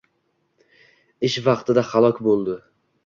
Ish vaqtida halok bo`ldi